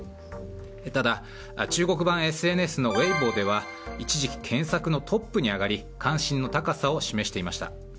ただ中国版ＳＮＳのウェイボーでは一時期、検索のトップに上がり関心の高さを示していました。